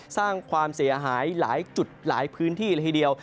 สร้างความเสียหายหลายจุดหลายพื้นที่ละทีเดียว